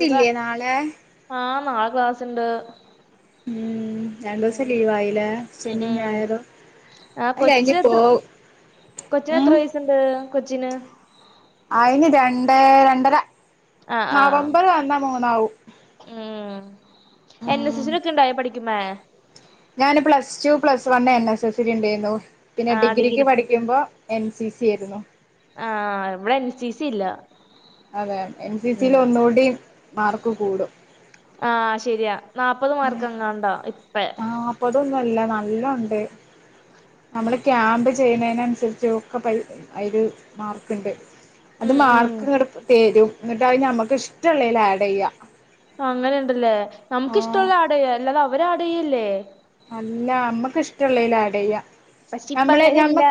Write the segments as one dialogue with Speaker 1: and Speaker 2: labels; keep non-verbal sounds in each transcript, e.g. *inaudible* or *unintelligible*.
Speaker 1: സുഖ
Speaker 2: ഇല്ലേ നാളെ
Speaker 1: ആഹ് നാളെ ക്ലാസ്ണ്ട്
Speaker 2: ഉം രണ്ടു
Speaker 1: ഉം
Speaker 2: ദിവസം ലീവായിലേ
Speaker 1: ഉം
Speaker 2: ശനിയും
Speaker 1: ഉം.
Speaker 2: ഞായറും
Speaker 1: ആ
Speaker 2: അത്
Speaker 1: കൊച്ച്
Speaker 2: കഴിഞ്ഞിപ്പോ ഉം
Speaker 1: ണ്ട് കൊച്ചിന്
Speaker 2: ആയിന് രണ്ട് രണ്ടര
Speaker 1: ആഹ് ആഹ്
Speaker 2: നവംബർ വന്നാ മൂന്നാവും
Speaker 1: ഉം എൻ എസ്സ്
Speaker 2: ഉം
Speaker 1: എസ്സിനൊക്കെ ഉണ്ടായ പഠിക്കുമ്പേ
Speaker 2: ഞാന് plus two plus one N S എസില് ഉണ്ടായിരുന്നു പിന്നെ
Speaker 1: ആഹ്
Speaker 2: ഡിഗ്രിക്ക്
Speaker 1: ഡിഗ്രി
Speaker 2: പഠി ക്കുമ്പോ എൻ സി സി ആയിരുന്നു
Speaker 1: ആഹ് ഇവിടെ എൻ സി സി ഇല്ല
Speaker 2: അതെ എൻ സി സിൽ
Speaker 1: ഉം
Speaker 2: ഒന്നുകൂടി മാർക്ക് കൂടും
Speaker 1: ആഹ് ശരിയാ നാല്പ്പത് മാർക്ക് എങ്ങാണ്ടാ ഇപ്പേ
Speaker 2: നാല്പ്പതൊന്നുംല്ല നല്ല ഒണ്ട് നമ്മള് ക്യാമ്പ് ചെയ്യുന്നതിനനുസരിച്ച് ഒക്കെ പൈ അതിനു മാർക്ക്ണ്ട് അത്
Speaker 1: ഉം ഉം
Speaker 2: മാർക്ക് ഇങ്ങട്ട തരും എന്നിട്ട് നമ്മക്ക് ഇഷ്ടമുള്ളേൽ ആഡ് ചെയ്യ
Speaker 1: അങ്ങനെ ഉണ്ടല്ലേ നമുക്കിഷ്ടമുള്ള ആട് ചെയ്യ അല്ലാതെ അവരാട്ചെയ്യല്ലേ
Speaker 2: അല്ല നമ്മക്ക് ഇഷ്ടമുള്ളേല് ആഡ് ചെയ്യാം
Speaker 1: പക്ഷെ ഇപ്പ
Speaker 2: നമ്മള്
Speaker 1: അങ്ങനെയല്ല
Speaker 2: നമ്മ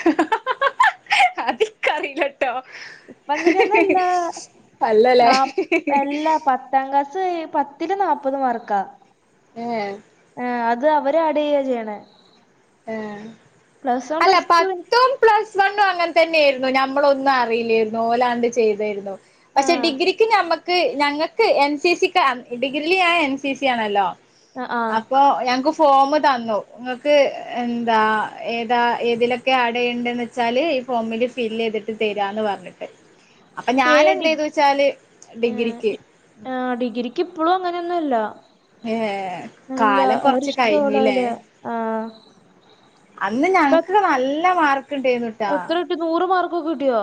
Speaker 2: ഹ ഹ ഹ ഹ അത് എനികറിയി ലട്ടോ
Speaker 1: ഇപ്പ അങ്ങനെയൊന്നല്ല
Speaker 2: അല്ലല്ലേ
Speaker 1: പത്താംക്ലാസ് പത്തില് നാല്പ്പത് മാർക്കാ
Speaker 2: ഏഹ്
Speaker 1: ആ അത് അവരാഡ് ചെയ്യ ചെയ്യണേ
Speaker 2: ആഹ്
Speaker 1: പ്ലസ് വൺ
Speaker 2: അല്ല
Speaker 1: പ്ലസ് ടു
Speaker 2: പത്തും പ്ലസ് വണ്ണും അങ്ങനെ തന്നെയാരുന്നു ഞമ്മളൊന്നും അറിയില്ലായിരുന്നു ഓലാണ്ട് ചെയ്തായിരുന്നു പക്ഷെ
Speaker 1: ആഹ്
Speaker 2: ഡിഗ്രിക്ക് ഞമ്മ ക്ക് ഞങ്ങൾക്ക് എൻ സി സി ക്കാ ഡിഗ്രില് ഞാൻ എൻ സി സി ആണല്ലോ
Speaker 1: ആഹ് ആഹ്
Speaker 2: അപ്പൊ ഞങ്ങക്ക് ഫോമുതന്നു നിങ്ങക്ക് എന്താ ഏതാ ഏതിലൊക്കെ ആഡ്ചെണ്ടെന്ന് വെച്ചാൽ ഈ ഫോമിൽ ഫില് ചെയ്തിട്ട് തരാന്ന് പറഞ്ഞ് അപ്പൊ
Speaker 1: ഏഹ് ഡി
Speaker 2: ഞാനെന്തുചെയ്തുവെച്ചാല്
Speaker 1: ഏഹ്
Speaker 2: ഡിഗ്രിക്ക്
Speaker 1: ഡി ആഹ് ഡിഗ്രിക്ക് ഇപ്പളും അങ്ങനൊന്നും അല്ലാ
Speaker 2: ഏ
Speaker 1: ഇല്ലാ
Speaker 2: കാലം കൊറച്ച്
Speaker 1: അവരിഷ്ട്ട
Speaker 2: കഴിഞ്ഞില്ലേ
Speaker 1: ഇള്ളപോലെയാ ആഹ്
Speaker 2: അന്ന്
Speaker 1: ഇപ്പ
Speaker 2: ഞങ്ങക്ക് നല്ല മാർക്ക് ഇണ്ടായിരുന്നു
Speaker 1: എത്ര കിട്ടി നൂറ് മാർക്കൊക്കെ കിട്ടിയോ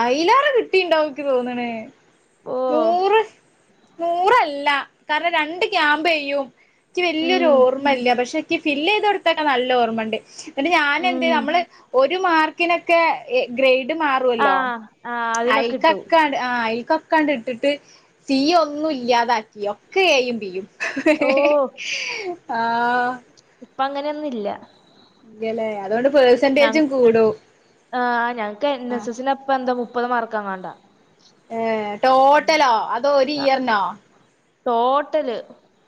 Speaker 2: അയിലേറെ കിട്ടീണ്ടാവും ഇക്ക് തോന്നണ്
Speaker 1: ഓഹ്
Speaker 2: നൂറ്, നൂറല്ലാ കാരണം രണ്ട് ക്യാമ്പെയ്യും ഇൻക്ക് വെല്യൊരു
Speaker 1: ഉം
Speaker 2: ഓർമ്മെല്ലാ പക്ഷെ ഇൻക്ക് ഫില്ല് ചെയ്ത് കൊടുത് *unintelligible* നല്ല ഓർമ്മെണ്ട് ഇന്നട്ട് ഞാൻ എന്ത്,
Speaker 1: ഉം
Speaker 2: നമ്മള് ഒരു മാർക്കിനൊക്കെ എ ഗ്രേഡ് മാ ട്ടുവല്ലോ
Speaker 1: ആഹ് ആഹ് അതിനൊക്കെ കിട്ടും
Speaker 2: അയ്ക്കെക്കെ ആഹ് അയിൽക്കൊക്കാണ്ട് ഇട്ടിട്ട് തീ ഒന്നും ഇല്ലാതാക് യൊ ഒക്കെ എയും ബിയും
Speaker 1: ഓഹ്
Speaker 2: ആഹ്
Speaker 1: ഇപ്പ അങ്ങനെയൊന്നും ഇല്ലാ.
Speaker 2: ഇല്ലല്ലേ അതുകൊണ്ട് പെഴ്സെന്റേജും കൂടും
Speaker 1: ആഹ് ഞങ്ങക്ക് എൻ
Speaker 2: ആ
Speaker 1: എസ് എസ്സിന് അപ്പം എന്തോ മുപ്പത് മാർക്കെങ്ങാണ്ടാ
Speaker 2: ഏഹ് ടോട്ടലോ അതോ ഒരു ഇയറിനോ?
Speaker 1: ടോട്ടല്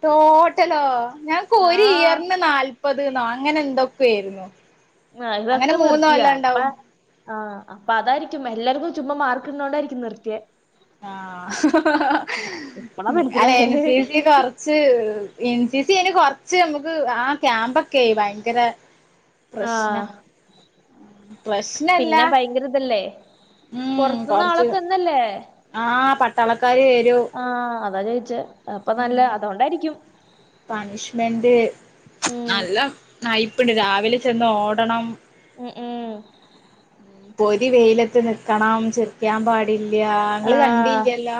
Speaker 2: ടോട്ടലോ, ഞങ്ങക്ക് ഒരു
Speaker 1: ആഹ്
Speaker 2: ഇയറിന് നാല്പത് ന്നോ അങ്ങനെ എന്തൊക്കോ ആയിരുന്നു
Speaker 1: ആഹ് ഇതൊക്കെ നിർത്തിയാ അപ്പ ആഹ് അപ്പ അതായിരിക്കും എല്ലാർക്കും ചുമ്മാ മാർക്ക് ഇടുന്നോണ്ടായിരിക്കും നിർത്തിയെ
Speaker 2: ആഹ്
Speaker 1: ഇപ്പളാ
Speaker 2: അല്ലാ
Speaker 1: മനസ്സിലായേ
Speaker 2: എൻ സി സി കൊറച് ച്ച്, ഏഹ് എൻ സി സി അയിന് കൊറച്ച് നമ്മക്ക് ആ ക്യാമ്പൊക്കെയെ ഭയങ്കര പ്രശ്നാ
Speaker 1: ആഹ്
Speaker 2: പ്രശ്നല്ലാ
Speaker 1: പിന്നെ ഭയങ്കര ഇതല്ലേ
Speaker 2: ഉം
Speaker 1: പൊറത്ത്ന്ന്
Speaker 2: കൊറച്ച്
Speaker 1: ആളൊക്കെ വന്നല്ലേ
Speaker 2: ആഹ് പട്ടാളക്കാര് വെരും
Speaker 1: ആഹ് അതാ ചോയിച്ചേ അപ്പൊ നല്ല
Speaker 2: ഉം
Speaker 1: അതോണ്ടായിരിക്കും
Speaker 2: പണിഷ്മെന്റ്
Speaker 1: ഉം
Speaker 2: നല്ല നൈപ്പ്ണ്ട്, രാവിലെ ചെന്ന് ഓടണം
Speaker 1: ഉം ഉം
Speaker 2: പൊരി വെയിലത്ത് നിക്കണം ചിറിക്കാൻ പാടില്ലാ ഇങ്ങള്
Speaker 1: ആഹ്
Speaker 2: കണ്ടീല്ലല്ലോ.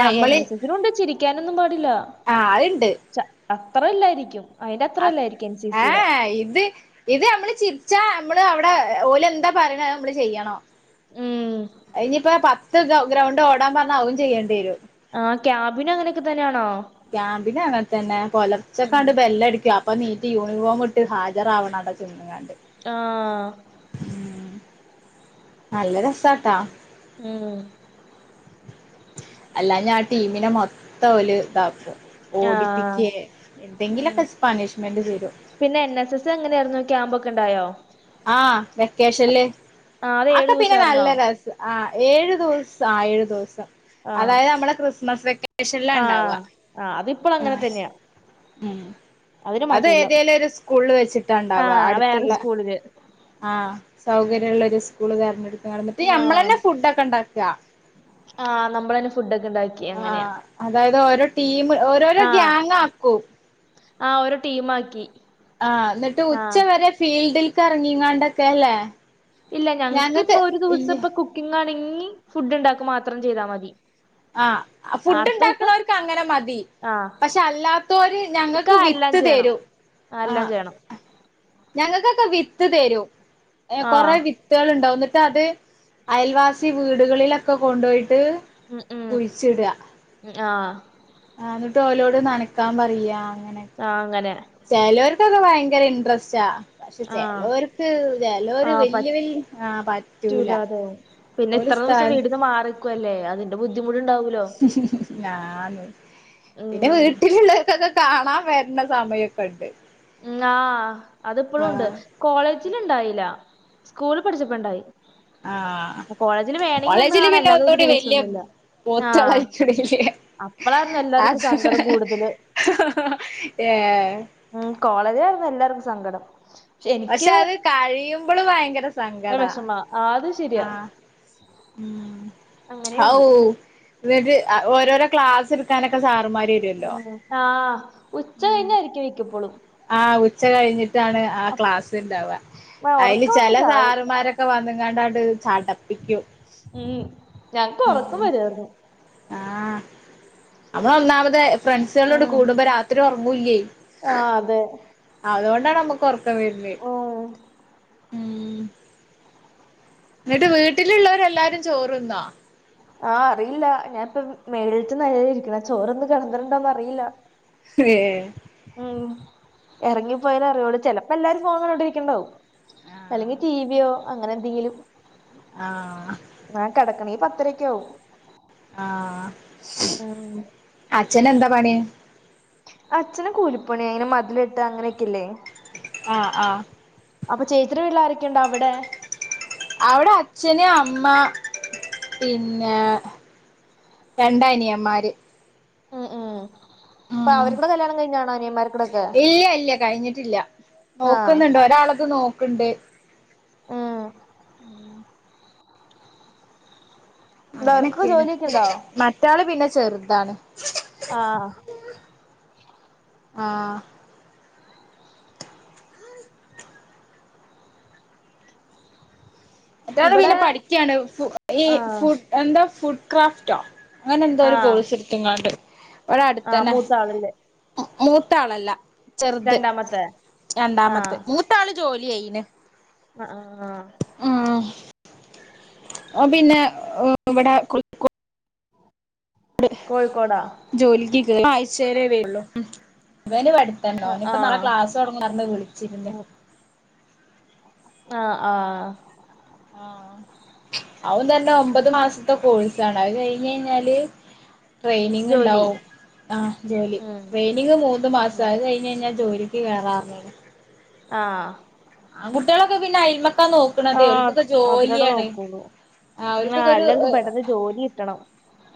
Speaker 1: ആഹ് എൻ എസ് എസ്സിനുണ്ട് ചിരിക്കാനൊന്നും പാടില്ലാ
Speaker 2: ആ അത്ണ്ട്
Speaker 1: ച അത്ര ഇല്ലായിരിക്കും. അയിന്റെ അത്ര
Speaker 2: അത്
Speaker 1: ഇല്ലായിരിക്കും എൻ സി സിയുടെ
Speaker 2: ഏഹ് ഇത് ഇത് നമ്മള് ചിരിച്ചാ, നമ്മള് അവിടെ ഓല് എന്താ പറയണെ അത് നമ്മള് ചെയ്യണം.
Speaker 1: ഉം
Speaker 2: അത് ഇനിയിപ്പോ പത്ത് ഗ ഗ്രൗണ്ട് ഓടാൻ പറഞ്ഞാ അതും ചെയ്യെണ്ടി വരും.
Speaker 1: ആഹ് ക്യാമ്പിനും അങ്ങനെയൊക്കെ തന്നെയാണോ?
Speaker 2: ക്യാമ്പിനും അങ്ങൻതെന്നെ
Speaker 1: ഉം
Speaker 2: പൊലർച്ചക്കാണ്ട് ബെല്ലടിക്കും അപ് അപ്പൊ നീറ്റ് യൂണിഫോം ഇട്ട് ഹാജരാവണം ആടെ ചെന്ന്ങ്ങാണ്ട്.
Speaker 1: ആഹ്
Speaker 2: ഉം നല്ല രസാട്ടാ
Speaker 1: ഉം
Speaker 2: അല്ലാഞ്ഞാ ആ ടീമിനെ മൊത്തം ഓല് *unintelligible*
Speaker 1: ആഹ്
Speaker 2: ഓടിപ്പിക്കെ
Speaker 1: ഉം
Speaker 2: എന്തെങ്കിലൊക്കെ പണിഷ്മെൻ്റ് തെരും
Speaker 1: പിന്നെ എൻ. എസ്. എസ് എങ്ങനെയായിരുന്നു, ക്യാമ്പൊക്കെ ഇണ്ടായോ?
Speaker 2: ആഹ്, വെക്കേഷൻല്
Speaker 1: ആഹ് അത് ഏഴു
Speaker 2: ആക്കെ പിന്നെ
Speaker 1: ദിവസായിരുന്നോ
Speaker 2: നല്ല രസ് ആഹ് ഏഴു ദിവസം, ആഹ് ഏഴു ദിവസം
Speaker 1: ആഹ്
Speaker 2: അതായത് നമ്മളെ ക്രിസ്മസ് വെക്കേഷനിലാ
Speaker 1: ആഹ്
Speaker 2: ഇണ്ടാവാ
Speaker 1: ആഹ് അതിപ്പളും അങ്ങനെ
Speaker 2: ആഹ്
Speaker 1: തന്നെയാ
Speaker 2: ഉം
Speaker 1: അതിന്
Speaker 2: അത്
Speaker 1: മാറ്റമില്ല
Speaker 2: ഏതേലും ഒരു സ്കൂളിൽ വെച്ചിട്ടാണ്ടാവാ
Speaker 1: ആഹ് വേറെ
Speaker 2: അടുത്ത്ള്ള
Speaker 1: സ്കൂളില്
Speaker 2: ആഹ്
Speaker 1: ഉം
Speaker 2: സൗകര്യള്ള ഒരു സ്കൂള് തെരഞ്ഞെടുത്ത് നടന്നിട്ട് ഇത് ഞമ്മള്
Speaker 1: ആഹ്
Speaker 2: തന്നെ ഫുഡൊക്കെ ഇണ്ടാക്ക
Speaker 1: ആഹ് നമ്മളെന്നെ ഫുഡൊക്കെ ഇണ്ടാക്കി
Speaker 2: ആഹ് അതായത് ഓരോ ടീം ഓരോരോ
Speaker 1: ആഹ്
Speaker 2: ഗ്യാങ് ആക്കും
Speaker 1: ആഹ് ഒരു ടീമാക്കി
Speaker 2: ആഹ് ന്നട്ട്
Speaker 1: ആഹ്
Speaker 2: ഉച്ച വരെ ഫീൽഡിൽക്ക് എറങ്ങിങ്ങാണ്ടൊക്കെ ല്ലേ
Speaker 1: ഇല്ല ഞങ്ങക്ക് ഇപ്പൊ ഒരു ദിവസം ഇപ്പം കുക്കിംഗ് ആണെങ്കിൽ ഫുഡ് ഉണ്ടാക്കൽ മാത്രം ചെയ്താൽ മതി.
Speaker 2: ആഹ്
Speaker 1: ആ,
Speaker 2: ഫുഡ് ഇ
Speaker 1: അടുത്ത ദിവസം
Speaker 2: ണ്ടാക്കുന്നവർക്ക് അങ്ങനെ മതി.
Speaker 1: ആഹ്
Speaker 2: പക്ഷെ അല്ലാത്തൊര് ഞങ്ങൾക്ക് വിത്ത് തരും
Speaker 1: ആഹ് എല്ലാം ചെയ്യണം
Speaker 2: ഞങ്ങൾക്കൊക്കെ വിത്ത് തരൂ കൊറെ
Speaker 1: ആഹ്
Speaker 2: വി ത്ത്കൾ ഇണ്ടാവും ന്നട്ട് അത് അയൽവാസി വീടുകളിലൊക്കെ കൊണ്ടുപോയിട്ട്
Speaker 1: ഉം ഉം
Speaker 2: കുഴിച്ചിട
Speaker 1: ആഹ്
Speaker 2: ആഹ് ന്നട്ട് ഓലോട് നനക്കാൻ പറയാ അങ്ങനെ
Speaker 1: ആഹ് അങ്ങനെ
Speaker 2: ചെലൊർകൊക്കെ ഭയങ്കര ഇന്ട്രസ്റ്റാ പക്ഷെ
Speaker 1: ആഹ്
Speaker 2: ചെലൊർക്ക് ചെലൊര്
Speaker 1: ആഹ് പ
Speaker 2: വല്യ വല്യ ആഹ് പറ്റൂല
Speaker 1: പറ്റൂലാതാവും പിന്നെ
Speaker 2: ഓല്
Speaker 1: ഇത്ര ദുസം
Speaker 2: ഉസ്താദ്
Speaker 1: വീടിന്ന് മാറിനിക്കു വല്ലേ അതിന്റെ ബുദ്ധിമുട്ടുണ്ടാവലോ
Speaker 2: ആഹ് ന്ന് ൻ്റെ
Speaker 1: ഉം
Speaker 2: വീട്ടിലുള്ളൊർകൊക്കെ കാണാൻ വരുന്ന സമയൊക്കെണ്ട്
Speaker 1: ഉം ആഹ് അതിപ്പോഴും ഉണ്ട് കോളേജിൽ ഇണ്ടായില്ല സ്കൂളിൽ പഠിച്ചപ്പോണ്ടായി
Speaker 2: ആഹ്
Speaker 1: വന്ന്
Speaker 2: കോളേജില്
Speaker 1: കാണാ
Speaker 2: പിന്നെ
Speaker 1: അല്ലാതെ ഒരു
Speaker 2: ഒന്നുകൂടി വല്യ
Speaker 1: ദിവസൊന്നുല്ല ആഹ്
Speaker 2: പോത്തേളായിക്ക്ണ്ല്ലേ
Speaker 1: അപ്പളായിരുന്നു എല്ലാർക്കും സങ്കടം കൂടുതല്
Speaker 2: ഏ
Speaker 1: ഉം കോളേജിലായിരുന്നു എല്ലാർക്കും സങ്കടം
Speaker 2: പക്ഷെ അത് കഴിയുമ്പൾ ഭയങ്കര സങ്കടാ
Speaker 1: വെഷമാ അത് ശെരിയാ
Speaker 2: ആഹ് ഉം ഹൗ
Speaker 1: അങ്ങനെയുണ്ട്
Speaker 2: എന്നിട്ട് ഓരോരോ ക്ലാസ് എടുക്കാനൊക്കെ സാറുമാർ വരൊല്ലോ
Speaker 1: ഉം ആഹ് ഉച്ച കഴിഞ്ഞ ആരിക്കേ വിക്കപ്പോളും
Speaker 2: ആഹ് ഉച്ച കഴിഞ്ഞിട്ടാണ് ആ ക്ലാസ്ണ്ടാവ
Speaker 1: അപ്പ
Speaker 2: അതില്
Speaker 1: ഒറക്കം വന്ന്
Speaker 2: ചെല
Speaker 1: ചാവും
Speaker 2: സാറുമാരൊക്കെ ഒക്കെ വന്ന്ങ്ങാണ്ട് ചാടപ്പിക്കും
Speaker 1: ഉം ഞങ്ങക്ക് ഒറക്കം വരുആയിരുന്നു
Speaker 2: ആഹ് നമ്മള ഒന്നാമത് ഫ്രണ്ട്സുകളോട്
Speaker 1: ഉം
Speaker 2: കൂടുമ്പോ രാത്രി ഒറങ്ങുല്ലയ്
Speaker 1: ആഹ് അതെ
Speaker 2: അതുകൊണ്ടാണ് നമ്മുക്ക് ഒറക്കം വരുന്ന
Speaker 1: ഓ
Speaker 2: എന്നിട്ട് വീട്ടിലുള്ളവരെല്ലാരും ചോറ്ന്നോ
Speaker 1: ആഹ് അറിയില്ല ഞാനിപ്പ മേളിൽത്ത് നെലയിലാ ഇരിക്കുന്നെ ചോറ്ന്ന് കിടന്നിട്ടുണ്ടോന്ന് അറിയില്ല
Speaker 2: ഏ
Speaker 1: ഉം എറങ്ങിപ്പോയാലെ അറിയോള്ളൂ ചെലപ്പോ എല്ലാവാരും ഫൊണ് കണ്ടിരിക്ക്ണ്ടാവും അല്ലെങ്കി
Speaker 2: ആഹ്
Speaker 1: ടിവിയോ അങ്ങനെ എന്തെങ്കിലും
Speaker 2: ആഹ്
Speaker 1: ആഹ് കടക്കണേൽ പത്തരക്കെ ആവും
Speaker 2: ആഹ്
Speaker 1: ഉം
Speaker 2: അച്ഛനെന്താ പണി
Speaker 1: അച്ഛന് കൂലിപ്പണി അങ്ങനെ മതില് കെട്ട അങ്ങനെയൊക്കെ ല്ലേ
Speaker 2: ആഹ് ആഹ്
Speaker 1: അപ്പൊ ചേചിടെ വീട് ലാരെക്കെണ്ട് അവടെ?
Speaker 2: അവടെ അച്ഛന് അമ്മ പിന്നെ രണ്ട നിയൻമാര്.
Speaker 1: അപ്പ അവര്കൂടെ കല്യാണം കഴിഞ്ഞാണൊ അനിയന്മാര്ക്കൂടെ
Speaker 2: ഇല്ല്യ ഇല്ല കഴിഞ്ഞിട്ടില്ല
Speaker 1: ആഹ്
Speaker 2: നോക്ക്ന്ന്ണ്ട് ഒരാൾത് നോക്ക്ണ്ട്.
Speaker 1: ഉം
Speaker 2: ഉം
Speaker 1: എന്താ അവർക്കൊക്കെ
Speaker 2: അങ്ങനെക്കെണ്
Speaker 1: ജോലിയൊക്കെ ഉണ്ടോ
Speaker 2: മറ്റാള് പിന്നെ ചെറ്താണ്.
Speaker 1: ആഹ്
Speaker 2: ആഹ് മറ്റെരാള് പിന്നെ
Speaker 1: ഇവിടെ
Speaker 2: പഠിക്ക്യാണ് ഫു ഈ
Speaker 1: ആഹ്
Speaker 2: ഫുഎന്താ ഫുഡ് ക്രാഫ്റ്റോ. അങ്ങനെ ന്തോ ഒരു
Speaker 1: ആഹ്
Speaker 2: കോഴ്‌സ്ട്ത്ത്ങ്ങാണ്ട് വടെ
Speaker 1: ആഹ്
Speaker 2: അട്തെന്നെ.
Speaker 1: മൂത്താളല്ലേ
Speaker 2: മു മൂത്താളല്ല ചെറ്ത്
Speaker 1: രണ്ടാമത്തെ
Speaker 2: രണ്ടാമത്ത്
Speaker 1: ആഹ്
Speaker 2: മൂത്താള് ജോല്യായീണ്.
Speaker 1: ആഹ് ആഹ്
Speaker 2: ഉം ഓം പിന്നെ എഹ് വടെ *unintelligible* ട്.
Speaker 1: കോഴിക്കോടാ?
Speaker 2: ജോലിക്ക് കേറീ ആഴ്ചേലെ വെരൊള്ളു. ഉം വൻ്റെ പഠ്
Speaker 1: അ
Speaker 2: തെന്നൊന്
Speaker 1: ആ
Speaker 2: പ്പ നാള ക്ലാസൊട്ങ്ങും ന്നർഞ്ഞ് വിളിച്ചി ര്ന്നു.
Speaker 1: ആഹ് ആഹ്
Speaker 2: ആഹ് അതും തെന്നെ ഒമ്പത് മാസത്തെ കോഴ്സാണ്. അത് കഴിഞ്ഞഴ്ഞ്ഞാല് ട്രെയിനിങ്
Speaker 1: ജോലി
Speaker 2: ണ്ടാവും ആഹ് ജോലി
Speaker 1: ഉം
Speaker 2: ട്രെയിനിങ് മൂന്ന്
Speaker 1: ഉം
Speaker 2: മാസാ അത് കഴി ഞ്ഞഴ്ഞ്ഞാ ജോലിക്ക് കേറാർഞ്ഞ്ണ്.
Speaker 1: ആഹ്
Speaker 2: ആൺ കുട്ട്യെളൊക്കെ പിന്നയ്മക്കാ നോ
Speaker 1: ആ
Speaker 2: ക്ക്ണതെ ഓൽക്കൊക്കെ
Speaker 1: അതിനോടെ
Speaker 2: ജോല്യാണ്.
Speaker 1: നോക്കുള്ളൂ
Speaker 2: ആഹ്
Speaker 1: ആ
Speaker 2: ഓൽക്കൊക്കൊരു
Speaker 1: എല്ലാർക്കും
Speaker 2: എഹ്
Speaker 1: പെട്ടെന്ന് ജോലി കിട്ടണം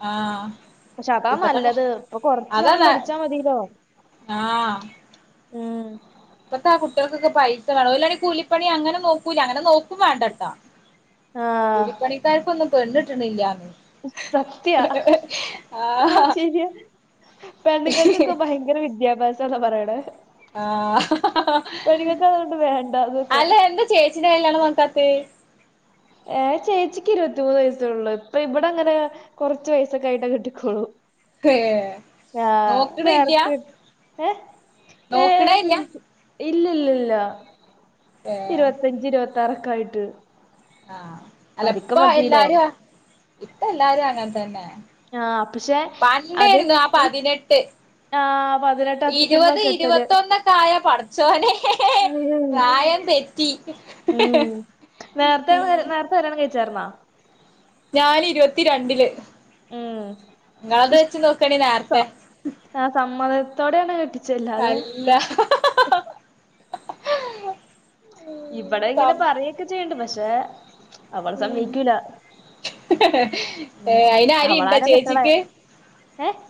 Speaker 2: ആഹ്
Speaker 1: പക്ഷെ അതാ
Speaker 2: ഇപ്പത്തെക്കെ
Speaker 1: നല്ലത് ഇപ്പൊ കൊറച്ച് സമയം
Speaker 2: അതെന്നെ.
Speaker 1: പഠിച്ചാ മതിലോ
Speaker 2: ആഹ്
Speaker 1: ഉം
Speaker 2: ഇപ്പത്താ കുട്ട്യെൾക്കൊക്കെ പൈസ വേണം ഓലാണെ കൂലിപ്പണി അങ്ങനെ നോക്കൂല അങ്ങനെ നോക്കും വണ്ടട്ട.
Speaker 1: ആ
Speaker 2: കൂലിപ്പണിക്കാര്ക്കൊന്നും പെണ്ണ് ട്ട്ണില്ലാന്ന്.
Speaker 1: സത്യാ ആഹ് ശെര്യ പെണ്ണ്ങ്ങക്കൊക്കെ ഭയ ങ്കര വിദ്യാഭ്യാസംന്നാ പറിണെ.
Speaker 2: ആഹ്
Speaker 1: വേണ്ടാന്നൊക്കെ
Speaker 2: അല്ല എന്താ ചേച്ചിൻ്റെ കല്യാണം നോക്കാത്തെ?
Speaker 1: ഏഹ് ചേച്ചിക്ക് ഇരുപത്തിമൂന്ന് വയസ്സൊള്ളു ഇപ്പ ഇബടങ്ങനെ കൊർച്ച് വയസൊക്കായിട്ട് കെട്ടിക്കോളു.
Speaker 2: ഏ
Speaker 1: ആഹ് നേരെത്തെ
Speaker 2: നോക്ക്ണേല്ല.
Speaker 1: ഇല്ല ല്ലല്ലല്ല
Speaker 2: ഏ
Speaker 1: ഇരുപത്തഞ്ച് ഇരുപത്താറൊക്കയിട്ട്.
Speaker 2: ആഹ് അല്ല ഇപ്പ എല്ലാരു അ ഇപ്പെല്ലാരും അങ്ങൻ തെന്നെ.
Speaker 1: ആ പക്ഷെ
Speaker 2: പണ്ടേര്ന്നു ആ പതിനെട്ട്.
Speaker 1: ആഹ് പതിനെ
Speaker 2: ഇരുപത് ഇരുപത്തൊന്നൊക്കായാ പടച്ചോനെ പ്രായം തെറ്റി. ഉം
Speaker 1: കല്ല്യാണം കഴിച്ചാർന്നോ
Speaker 2: ഞാന് ഇര് വത്തിരണ്ടില്
Speaker 1: ഉം
Speaker 2: ഇങ്ങളത്
Speaker 1: ഇഷ്ട
Speaker 2: വെച്ച് നോക്കാണേ നാർത്തെ
Speaker 1: ആ സമ്മതത്തോടെയാണ് കെട്ടിച്ചെ അല്ലാതെ
Speaker 2: അല്ല
Speaker 1: ഇപടെ ഇങ്ങനെ
Speaker 2: ഉം
Speaker 1: പറയൊക്കെ ചെയ്യണ്ട് പക്ഷെ അവള്
Speaker 2: ഉം
Speaker 1: സമ്മയ്ക്കൂല
Speaker 2: ഏ അയിന് ആരേം ഇണ്ടാ
Speaker 1: അവളാലോ കെട്ട്ണേ
Speaker 2: ചേച്ചിക്ക്
Speaker 1: ഏഹ്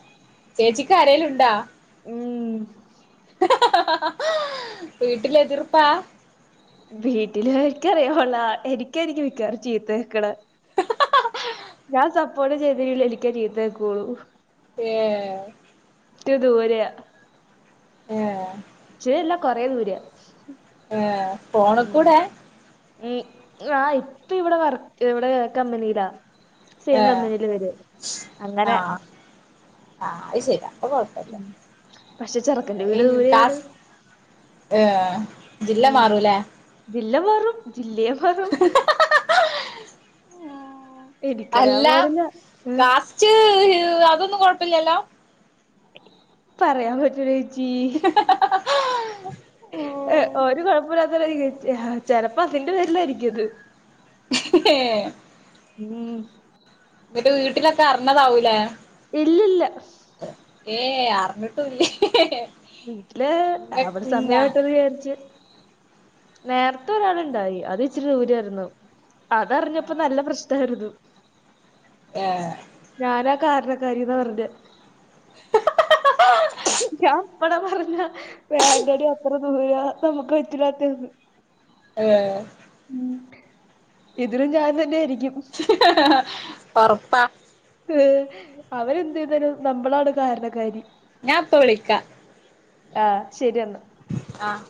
Speaker 2: ചേച്ചിക്ക് ആരേലുണ്ടോ
Speaker 1: ഉം
Speaker 2: വീട്ടില് എതിർപ്പാ
Speaker 1: വീട്ടില് *unintelligible* റിയുള്ള എനിക്കായിരിക്കും മിക്കവാറും ചീത്ത കേക്ക്ണേ ഞാൻ സപ്പോർട്ട് ചെയ്തില്ലെങ്കി എനിക്കേ ചീത്ത കേക്കൂള്ളൂ
Speaker 2: ഏഹ് ഏഹ്
Speaker 1: റ്റ് ദൂരാ
Speaker 2: ഏഹ്
Speaker 1: ഇചിരി അല്ല കൊറേ ദൂരെ
Speaker 2: ഏഹ് ഫോണ് കൂടെ
Speaker 1: ഉം ആഹ് ഇപ്പ ഇവിടെ വർക്ക് ഇവിടെ കമ്പനിയിലാ സെയിം
Speaker 2: ഏഹ്
Speaker 1: കമ്പനിയില് വര് അങ്ങനെ
Speaker 2: ആഹ് ആഹ് അത് ശരിയ അപ്പൊ കൊഴ്പ്പല്ല
Speaker 1: ഉം പക്ഷെ ചെറുക്കന്റെ വീട്
Speaker 2: ഇനി
Speaker 1: ദൂരെയാണ്
Speaker 2: ടാസ് ഏഹ് ജില്ല
Speaker 1: ഉം
Speaker 2: മാറുല്ലേ
Speaker 1: ജില്ല മാറും ജില്ലയെ മാറും എനിക്കറിയാൻ
Speaker 2: അല്ല
Speaker 1: പാടില്ല ഏഹ്
Speaker 2: കാസ്റ്റ് അതൊന്നും കൊഴപ്പല്യല്ലോ
Speaker 1: പറയാൻ പറ്റൂല്ല ചേച്ചീ ഏഹ് ഒരു കൊഴ്‌പ്പൊ ഇല്ലാ *unintelligible* ആഹ് ചെലപ്പോ അതിന്റെ പേരിലായിരിക്കും ഇത്
Speaker 2: ഏഹ്
Speaker 1: ഉം
Speaker 2: ഇന്നട്ട് വീട്ടിലൊക്കെ അർഞ്ഞതാവൂലേ
Speaker 1: ഇല്ലില്ല
Speaker 2: ഏഹ് അർഞ്ഞ്ട്ടുംല്ലേ
Speaker 1: വീട്ടില് അവടെ സമയാകട്ടെന്ന് വിചാരിച്ച് നേരത്തെ ഒരാള്ണ്ടായി അത് ഇച്ചിരി ദൂരെയാരുന്നു അതർഞ്ഞപ്പോ നല്ല പ്രശ്നാരുന്നു
Speaker 2: ഏഹ്
Speaker 1: ഞാനാ കാരണക്കാരിന്ന പർഞ്ഞെ ഞാൻ അപ്പളെ പർഞ്ഞ വേണ്ടടി അത്ര ദൂര നമുക്ക് പറ്റില്ലാത്തെന്ന്
Speaker 2: ഏഹ്
Speaker 1: ഉം ഇതിനും ഞാൻ തന്നെ ആയിരിക്കും
Speaker 2: ഒറപ്പാ
Speaker 1: ഏഹ് അവരെന്ത് ചെയ്താലും നമ്മളാണ് കാരണകാരി
Speaker 2: ഞാൻ ഇപ്പൊ വിളിക്കാ
Speaker 1: ആഹ് ശരി എന്നാ
Speaker 2: ആഹ്